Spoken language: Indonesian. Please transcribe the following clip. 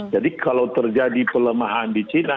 jadi kalau terjadi pelemahan di china